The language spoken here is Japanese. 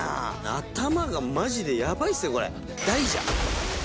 頭がマジでヤバいっすよこれ。